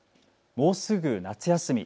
もうすぐ夏休み。